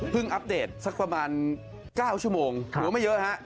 อัปเดตสักประมาณ๙ชั่วโมงหรือว่าไม่เยอะฮะ